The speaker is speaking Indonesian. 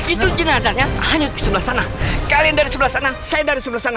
itu jenazahnya hanya sebelah sana kalian dari sebelah sana saya dari sebelah sana